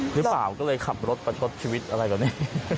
หรือเปล่าก็เลยขับรถประชดชีวิตอะไรแบบนี้